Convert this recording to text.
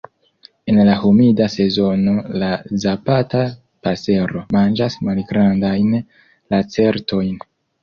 En la humida sezono la Zapata pasero manĝas malgrandajn lacertojn.